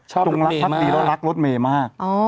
ชอบรถเมมากตรงลักษณ์ภาษีแล้วรักรถเมมาก